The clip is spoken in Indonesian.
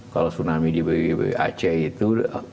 kalau tsunami di aceh itu